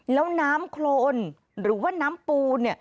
แล้วน้ำโครนหรือว่าน้ำปูเนี่ย